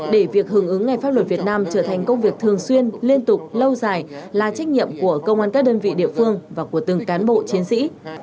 để việc hưởng ứng ngày pháp luật việt nam trở thành công việc thường xuyên liên tục lâu dài là trách nhiệm của công an các đơn vị địa phương và của từng cán bộ chiến sĩ